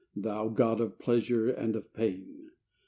Thou god of pleasure and of pain